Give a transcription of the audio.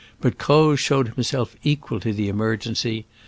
But Croz showed himself equal to the emergency.